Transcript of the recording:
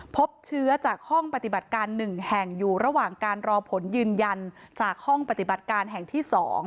พบเชื้อจากห้องปฏิบัติการ๑แห่งอยู่ระหว่างการรอผลยืนยันจากห้องปฏิบัติการแห่งที่๒